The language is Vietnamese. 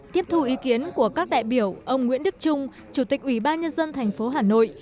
tiếp thu ý kiến của các đại biểu ông nguyễn đức trung chủ tịch ủy ban nhân dân thành phố hà nội